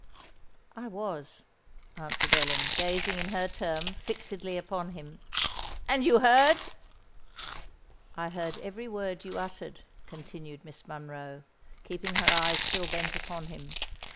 "I was," answered Ellen, gazing, in her turn, fixedly upon him. "And you heard——" "I heard every word you uttered," continued Miss Monroe, keeping her eyes still bent upon him.